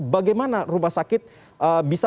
bagaimana rumah sakit bisa